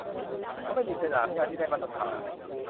เพราะไม่มีสนามหญ้าที่ได้มาตรฐาน